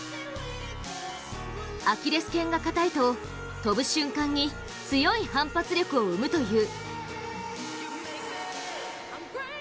アキレスけんがかたいと跳ぶ瞬間に強い反発力を生むという。